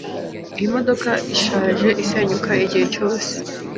Iyi modoka ishaje isenyuka igihe cyose.